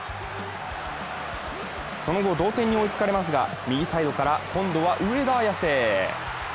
その後、同点に追いつかれますが右サイドから今度は上田綺世。